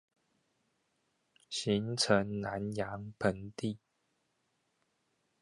形成南陽盆地